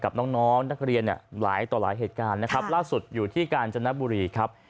กับน้องน้องนักเรียนเนี่ยหลายต่อหลายเหตุการณ์นะครับล่าสุดอยู่ที่กาญจนบุรีครับ